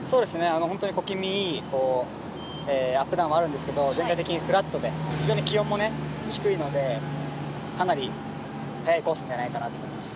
小気味いいアップダウンはあるんですけど、全体的にフラットで非常に気温も低いのでかなり速いコースじゃないかなと思います。